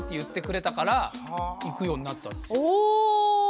お！